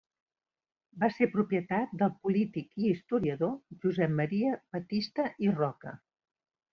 Va ser propietat del polític i historiador Josep Maria Batista i Roca.